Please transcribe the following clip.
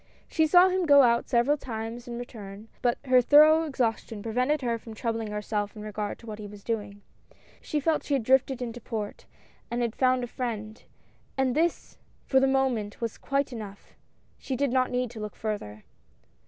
She saw him go out several times and return, but her thorough exhaustion prevented her from troub ling herself in regard to what he was doing. She felt she had drifted into port, and had found a friend, and this for the moment was quite enough — she did not need to look further.